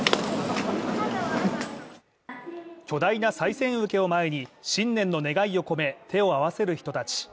巨大なさい銭受けを前に新年の願いを込め手を合わせる人たち。